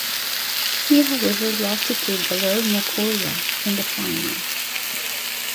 He however lost to Guillermo Coria in the final.